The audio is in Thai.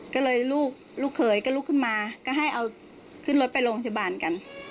ก็เลยลูกเขยก็ลุกขึ้นมาก็ให้เอาขึ้นรถไปโรงพยาบาลกัน